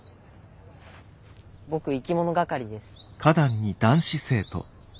僕生き物係です。